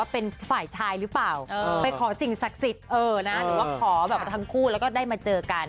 เป็นฝ่ายชายหรือเปล่าไปขอสิ่งศักดิ์สิทธิ์หรือว่าขอแบบทั้งคู่แล้วก็ได้มาเจอกัน